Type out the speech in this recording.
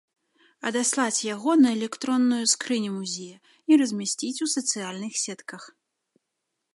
Адаслаць яго на электронную скрыню музея і размясціць у сацыяльных сетках.